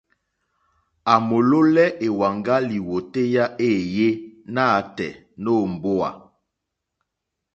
À mòlólɛ́ èwàŋgá lìwòtéyá éèyé nǎtɛ̀ɛ̀ nǒ mbówà.